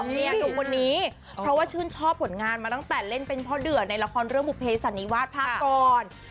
ดูคนนี้เพราะว่าชื่นชอบผลงานมาตั้งแต่เล่นเป็นพ่อเดือในละครเรื่องบุเภสันนิวาสภาคกร